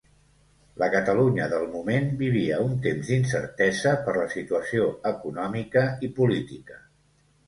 La Catalunya del moment vivia un temps d'incertesa per la situació econòmica i política.